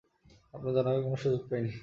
আপনাকে জানানোর কোন সুযোগই পাই নি।